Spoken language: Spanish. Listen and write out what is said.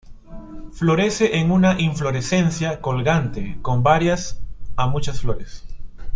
Florece en una inflorescencia colgante con varias a muchas flores.